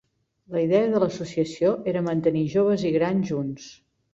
La idea de l'associació era mantenir joves i grans junts.